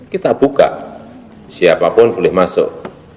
kita buka siapapun boleh masuk